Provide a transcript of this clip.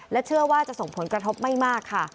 เชื่อว่าจะส่งผลกระทบไม่มากค่ะ